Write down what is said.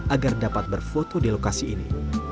agar dapat berfoto di lokasi ini